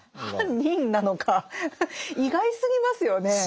「犯人」なのか意外すぎますよね。